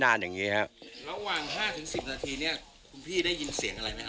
คุณพี่ได้ยินเสียงอะไรไหมครับ